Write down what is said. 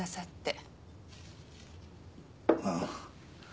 ああ。